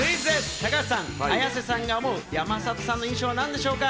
高橋さん、綾瀬さんが思う山里さんの印象は何でしょうか？